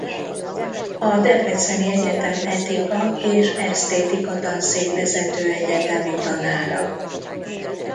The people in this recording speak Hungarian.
A Debreceni Egyetem etika és esztétika tanszékvezető egyetemi tanára.